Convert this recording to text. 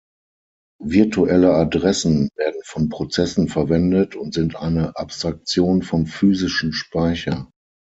Virtuelle Adressen werden von Prozessen verwendet und sind eine Abstraktion vom physischen Speicher.